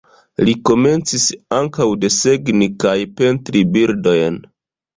Li komencis ankaŭ desegni kaj pentri birdojn.